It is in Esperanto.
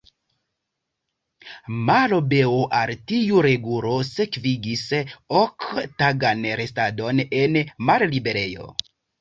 Malobeo al tiu regulo sekvigis ok-tagan restadon en malliberejo.